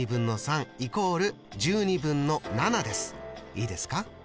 いいですか？